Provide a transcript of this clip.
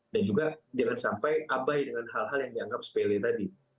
dan juga jangan sampai abai dengan hal hal yang dianggap sepele tadi